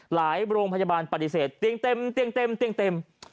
โรงพยาบาลปฏิเสธเตียงเต็มเตียงเต็มเตียงเต็ม